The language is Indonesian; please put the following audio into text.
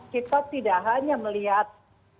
kita tidak hanya melihat